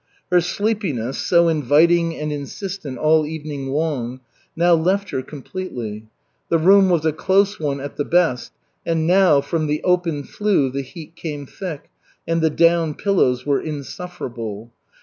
Her sleepiness, so inviting and insistent all evening long, now left her completely. The room was a close one at the best, and now, from the open flue the heat came thick, and the down pillows were insufferable.